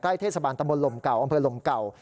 เทศบาลตำบลลมเก่าอำเภอลมเก่า